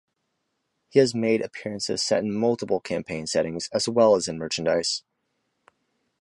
He has made appearances set in multiple campaign settings as well as in merchandise.